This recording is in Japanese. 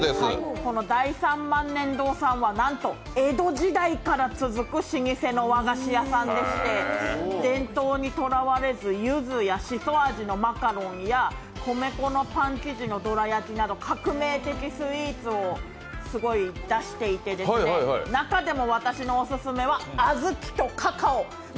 大三萬年堂さんはなんと江戸時代から続く老舗の和菓子屋さんでして伝統にとらわれず、ゆずやしそ味のマカロンや米粉のパン生地のどら焼きなど革命的スイーツをすごい出していて中でも私のオススメはあずきとかかお。